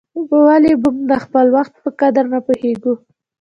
ولي موږ د خپل وخت په قدر نه پوهیږو؟